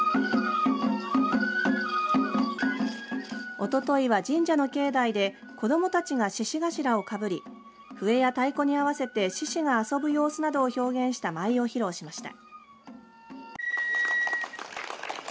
おとといは神社の境内で子どもたちが獅子頭をかぶり笛や太鼓に合わせて獅子が遊ぶ様子などを表現した舞を披露しました。